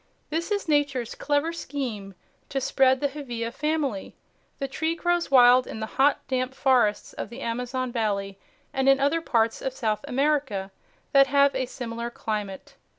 This is Nature's clever scheme to spread the Hevea family. The tree grows wild in the hot, damp forests of the Amazon valley and in other parts of South America that have a similar climate.